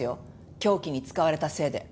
凶器に使われたせいで。